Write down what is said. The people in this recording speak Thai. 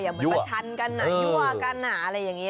เหมือนประชันกันนะยั่วกันนะอะไรอย่างนี้